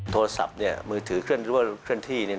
โทรศัพท์เนี่ยมือถือเคลื่อนที่